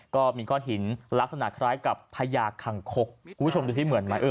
ก็มีก้อนหินลักษณะคล้ายกับพญาคังคกคุณผู้ชมดูสิเหมือนไหมเออ